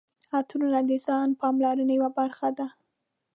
عطرونه د ځان پاملرنې یوه برخه ده.